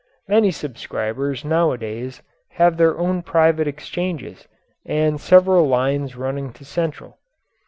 Many subscribers nowadays have their own private exchanges and several lines running to central.